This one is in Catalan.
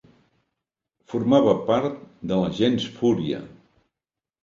Formava part de la gens Fúria.